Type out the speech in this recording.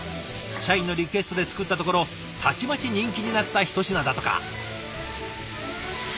社員のリクエストで作ったところたちまち人気になったひと品だとか。